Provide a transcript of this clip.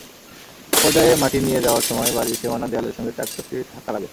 একপর্যায়ে মাটি নিয়ে যাওয়ার সময় বাড়ির সীমানা দেয়ালের সঙ্গে ট্রাক্টরটির ধাক্কা লাগে।